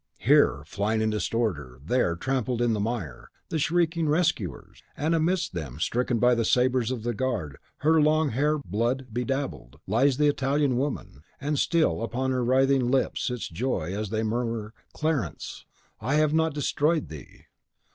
Here, flying in disorder, there, trampled in the mire, the shrieking rescuers! And amidst them, stricken by the sabres of the guard, her long hair blood bedabbled, lies the Italian woman; and still upon her writhing lips sits joy, as they murmur, "Clarence! I have not destroyed thee!"